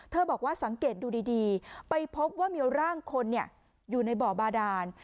บอกว่าสังเกตดูดีไปพบว่ามีร่างคนอยู่ในบ่อบาดาน